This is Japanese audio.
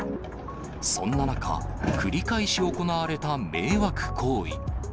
そんな中、繰り返し行われた迷惑行為。